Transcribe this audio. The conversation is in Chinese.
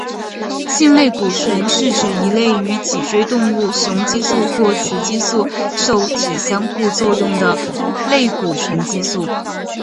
性类固醇是指一类与脊椎动物雄激素或雌激素受体相互作用的类固醇激素。